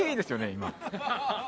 今。